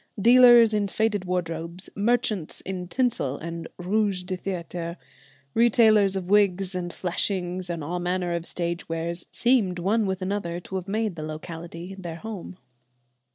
Dealers in faded wardrobes, merchants in tinsel and rouge de théâtre, retailers of wigs and fleshings and all manner of stage wares, seemed one with another to have made the locality their home.